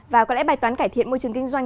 và có lẽ bài toán cải thiện môi trường kinh doanh